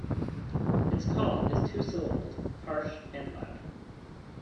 Its call is two-syllabled, harsh and loud.